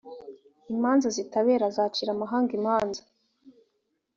imanza zitabera azacira amahanga imanza